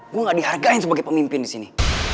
gue gak dihargain sebagai pemimpin disini